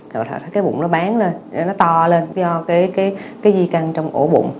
rồi họ thấy cái bụng nó bán lên nó to lên do cái di căng trong ổ bụng